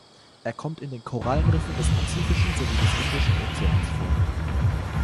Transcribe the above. Er kommt in den Korallenriffen des Pazifischen sowie des Indischen Ozeans vor.